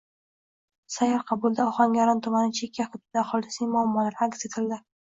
Sayyor qabulda Ohangaron tumani chekka hududi aholisining muammolari hal etildi